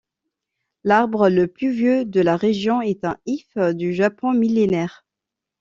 L'arbre le plus vieux de la région est un if du Japon millénaire.